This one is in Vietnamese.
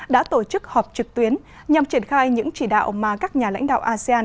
đã tổ chức họp trực tuyến nhằm triển khai những chỉ đạo mà các nhà lãnh đạo asean